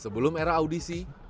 sebelum era audisi tahun ini